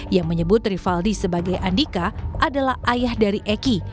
yang menyebut rivaldi sebagai andika adalah ayah dari eki